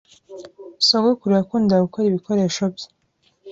Sogokuru yakundaga gukora ibikoresho bye.